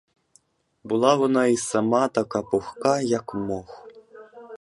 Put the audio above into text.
Була вона й сама така пухка, як мох.